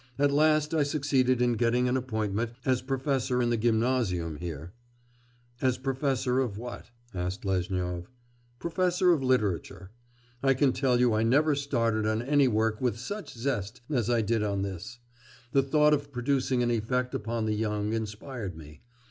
At last I succeeded in getting an appointment as professor in the gymnasium here.' 'As professor of what?' asked Lezhnyov. 'Professor of literature. I can tell you I never started on any work with such zest as I did on this. The thought of producing an effect upon the young inspired me.